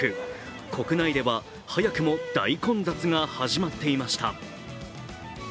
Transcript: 国内では早くも大混雑が始まっていました。